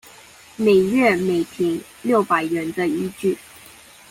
每月每坪六百元的依據